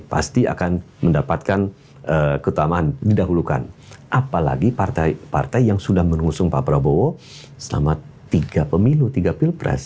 pasti akan mendapatkan keutamaan didahulukan apalagi partai partai yang sudah mengusung pak prabowo selama tiga pemilu tiga pilpres